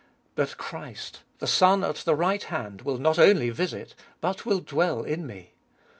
But Christ, the Son at the right hand, will not only visit, but will dwell In me.